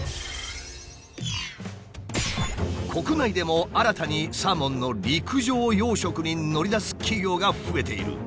国内でも新たにサーモンの陸上養殖に乗り出す企業が増えている。